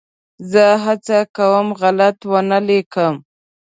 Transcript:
زه هڅه کوم غلط ونه ولیکم.